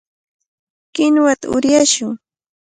Kinuwata uryashun.